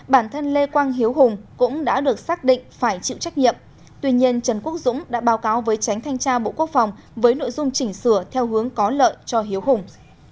bản thân lê quang hiếu hùng cũng đã được xác định phải chịu trách nhiệm tuy nhiên trần quốc dũng đã báo cáo với tránh thanh tra bộ quốc phòng với nội dung chỉnh sửa theo hướng có lợi cho hiếu hùng